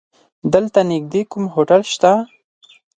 دلته نيږدې کوم هوټل شته؟